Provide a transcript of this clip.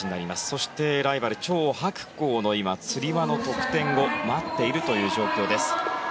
そして、ライバルチョウ・ハクコウのつり輪の得点を待っているという状況です。